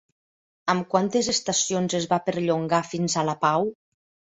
Amb quantes estacions es va perllongar fins a la Pau?